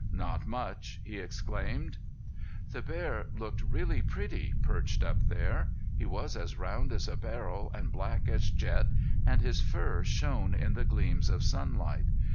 "Not much!" he exclaimed. The bear looked really pretty perched up there. He was as round as a barrel and black as jet and his fur shone in the gleams of sunlight.